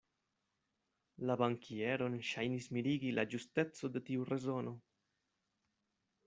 La bankieron ŝajnis mirigi la ĝusteco de tiu rezono.